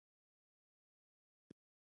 ایا زه منډه وهلی شم؟